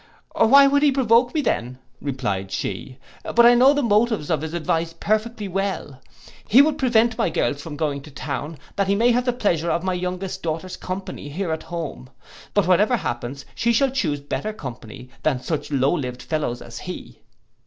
'—'Why would he provoke me then,' replied she; 'but I know the motives of his advice perfectly well. He would prevent my girls from going to town, that he may have the pleasure of my youngest daughter's company here at home. But whatever happens, she shall chuse better company than such low lived fellows as he.